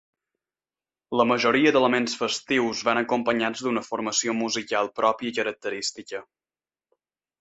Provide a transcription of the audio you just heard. La majoria d'elements festius van acompanyats d'una formació musical pròpia característica.